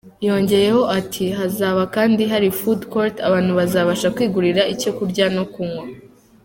Yongeyeho ati “Hazabakandi hari food court abantu bazabasha kwigurira icyo kurya no kunywa.